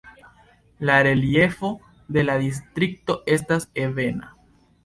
La reliefo de la distrikto estas ebena.